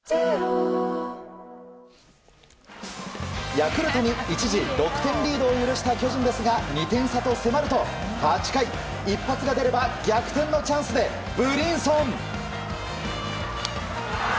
ヤクルトに一時６点リードを許した巨人ですが２点差と迫ると８回一発が出れば逆転のチャンスでブリンソン。